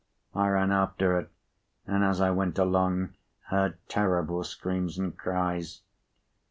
I ran after it, and, as I went along, heard terrible screams and cries.